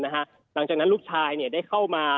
หลังจากนั้นลูกชายได้เข้ามา